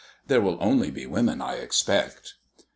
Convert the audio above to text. There will only be women, I expect."